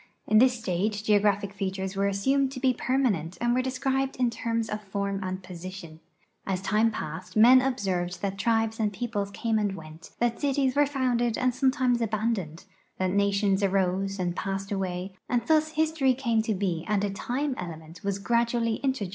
In this stage geograj)hic features were assumed to be j)ermanent and were described in terms of form and position. As time passed men observed that tribes and peoples came and went, that cities were founded and sometimes abandoned, that nations arose and ))assed away; and thus history came to Ije and a time element was gradually introduced into geography.